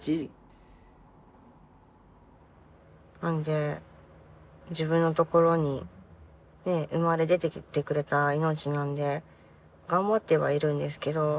なので自分のところにね生まれ出てきてくれた命なんで頑張ってはいるんですけど